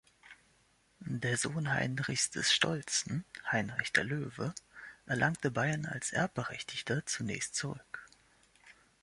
Der Sohn Heinrichs des Stolzen, Heinrich der Löwe, erlangte Bayern als Erbberechtigter zunächst zurück.